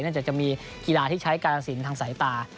จากจะมีกีฬาที่ใช้กาลสินทางสายตา